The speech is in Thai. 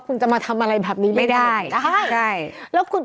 คุณจะมาทำอะไรแบบนี้กัน